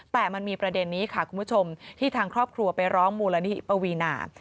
แต่มันมีประเด็นนี้ค่ะคุณผู้ชมที่ทางครอบครัวไปร้องมูลนิธิปวีนา